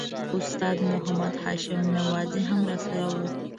استاد محمد هاشم نوراني هم راسره و.